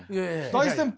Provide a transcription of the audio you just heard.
大先輩。